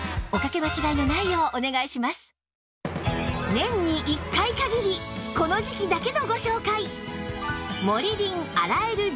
年に１回限りこの時季だけのご紹介！